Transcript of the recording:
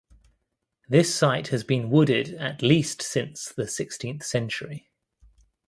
This site has been wooded at least since the sixteenth century.